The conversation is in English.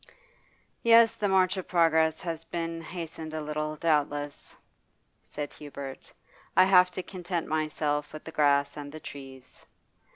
'Yes, the march of progress has been hastened a little, doubtless,' said Hubert. 'I have to content myself with the grass and the trees.